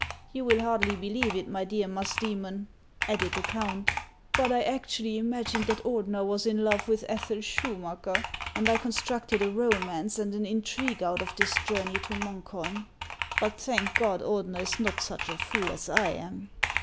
You will hardly believe it, my dear Musdoe mon," added the count, " but I actually imagined that Ordener was in love with Ethel Schmnacker, and I con structed a romance and an intrigue out of this journey to Munkholm. But, thank God, Ordener is not such a fool as I am.